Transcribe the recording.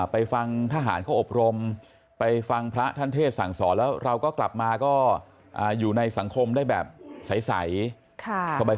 ไปฟังทหารเขาอบรมไปฟังพระท่านเทศสั่งสอนแล้วเราก็กลับมาก็อยู่ในสังคมได้แบบใสสบาย